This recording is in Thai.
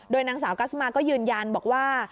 นางสาวกัสมาก็ยืนยันบอกว่า